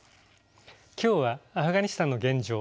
今日はアフガニスタンの現状